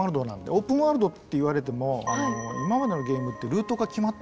オープンワールドって言われても今までのゲームってルートが決まってるんですよ。